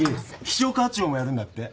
秘書課長もやるんだって。